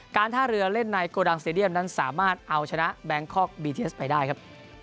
การท่าเรือเล่นกันในโกดังสตะดี้ยังนั้นสามารถเอาชนะแบลงคอร์กบีเทียสไปได้ครับ